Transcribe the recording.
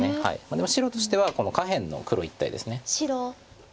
でも白としては下辺の黒一帯です。